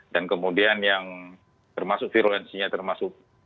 dan kemudian yang termasuk virulensinya termasuk